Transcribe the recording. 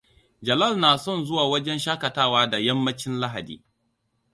Jalal na son zuwa wajen shaƙatawa da yammacin Lahadi.